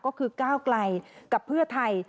ก็คือก้าวไกลกับเพื่อไทย